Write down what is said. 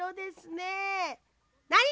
なに！？